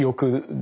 で